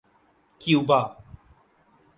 Cuba